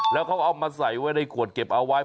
แล้วเขาเอามาใส่ไว้ในขวดเก็บเอาไว้